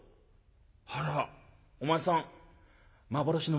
「あらお前さん幻の唐土よ」。